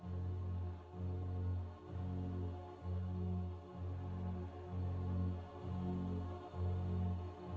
jenderal sudirman menerima pembunuhan dari jenderal jogjakarta